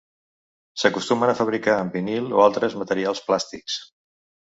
S'acostumen a fabricar amb vinil o altres materials plàstics.